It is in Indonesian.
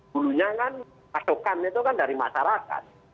dulunya kan pasokan itu kan dari masyarakat